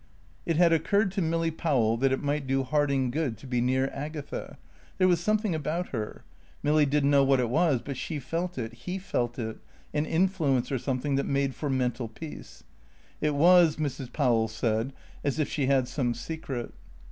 It had occurred to Milly Powell that it might do Harding good to be near Agatha. There was something about her; Milly didn't know what it was, but she felt it, he felt it an influence or something, that made for mental peace. It was, Mrs. Powell said, as if she had some secret.